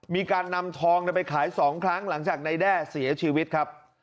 มีการนำทองไปขาย๒ครั้งหลังจากนายแด้เสียชีวิตครับ